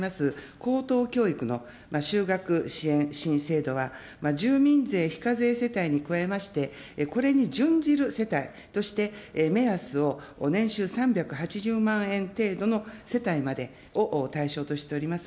高等教育の就学支援新制度は、住民税非課税世帯に加えまして、これに準じる世帯として目安を年収３８０万円程度の世帯までを対象としております。